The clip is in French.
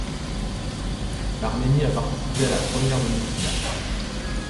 L'Arménie a participé à la première demi-finale.